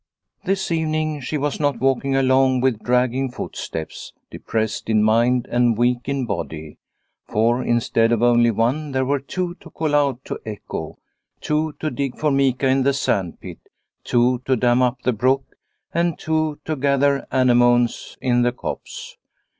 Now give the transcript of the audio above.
This evening she was not walking along with dragging footsteps, depressed in mind and weak in body, for instead of only one there were two to call out to echo, two to dig for mica in the sand pit, two to dam up the brook, and two to gather anemones in the copse.